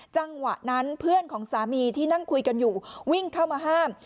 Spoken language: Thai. จังหวะนั้นเพื่อนของสามีที่นั่งคุยกันอยู่วิ่งเข้ามาห้าม